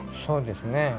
そうですね。